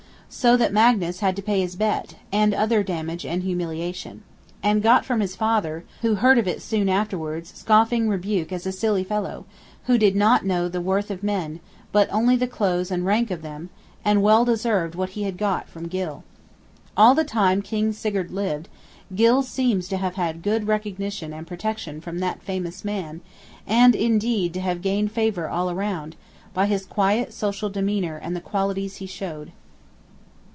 So that Magnus had to pay his bet, and other damage and humiliation. And got from his father, who heard of it soon afterwards, scoffing rebuke as a silly fellow, who did not know the worth of men, but only the clothes and rank of them, and well deserved what he had got from Gylle. All the time King Sigurd lived, Gylle seems to have had good recognition and protection from that famous man; and, indeed, to have gained favor all round, by his quiet social demeanor and the qualities he showed.